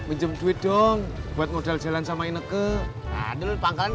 eh ya udah sono ke belakang